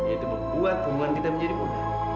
itu membuat hubungan kita menjadi mudah